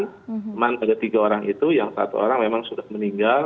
cuman ada tiga orang itu yang satu orang memang sudah meninggal